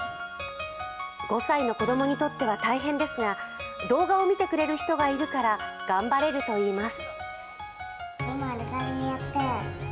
５歳の子供にとっては大変ですが、動画を見てくれる人がいるから頑張れるといいます。